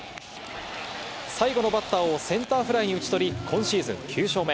最後のバッターをセンターフライに打ち取り、今シーズン９勝目。